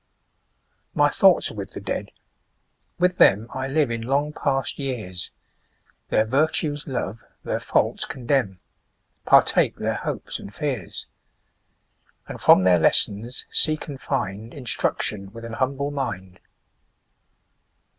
My thoughts are with the Dead; with them I live in long past years, Their virtues love, their faults condemn, 15 Partake their hopes and fears; And from their lessons seek and find Instruction with an humble mind.